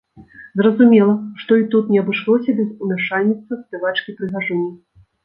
Зразумела, што і тут не абышлося без умяшальніцтва спявачкі-прыгажуні.